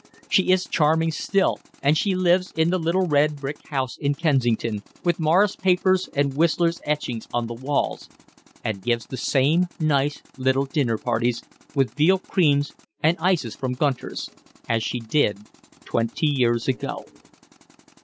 She is charming still, and she lives in the little red brick house in Kensington, with Morris papers and Whistler's etchings on the walls, and gives the same nice little dinner parties, with veal creams and ices from Gunter's, as she did twenty years ago."